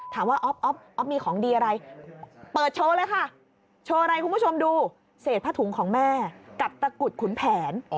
อ๊อฟมีของดีอะไรเปิดโชว์เลยค่ะโชว์อะไรคุณผู้ชมดูเศษผ้าถุงของแม่กับตะกุดขุนแผน